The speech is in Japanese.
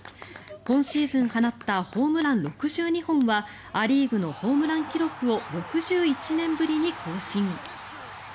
今シーズン放ったホームラン６２本はア・リーグのホームラン記録を６１年ぶりに更新。